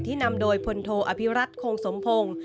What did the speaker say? ที่นำโดยพลโทอภิรัตน์โครงสมพงศ์